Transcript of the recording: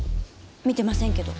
見てませんけど。